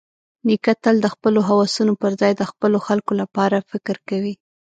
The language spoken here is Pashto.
نیکه تل د خپلو هوسونو پرځای د خپلو خلکو لپاره فکر کوي.